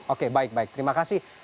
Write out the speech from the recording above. oke baik baik terima kasih